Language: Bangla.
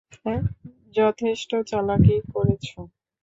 যথেষ্ট চালাকি করেছ।